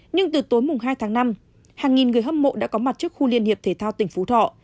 nhưng từ tối mùng hai tháng năm hàng nghìn người hâm mộ đã có mặt trước khu liên hiệp thể thao tỉnh phú thọ